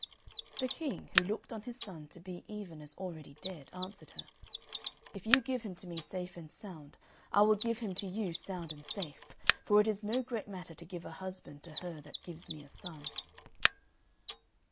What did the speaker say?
The King, who looked on his son to be even as already dead, answered her, "If you give him to me safe and sound, I will give him to you sound and safe; for it is no great matter to give a husband to her that gives me a son."